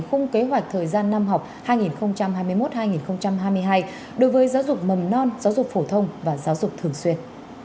khung kế hoạch thời gian năm học hai nghìn hai mươi một hai nghìn hai mươi hai đối với giáo dục mầm non giáo dục phổ thông và giáo dục thường xuyên